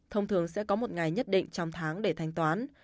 thông thường sẽ có một ngày nhất định trong tháng để thanh toán